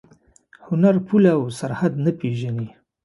هنر پوله او سرحد نه پېژني.